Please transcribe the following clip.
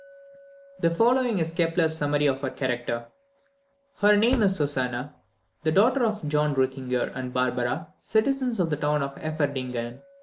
The following is Kepler's summary of her character: "Her name is Susannah, the daughter of John Reuthinger and Barbara, citizens of the town of Eferdingen.